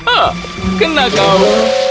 ah kena kau